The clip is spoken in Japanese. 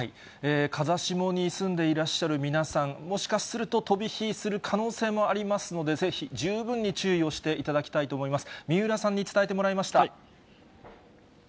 風下に住んでいらっしゃる皆さん、もしかすると飛び火する可能性もありますので、ぜひ十分に注意をしていただきたいと思います。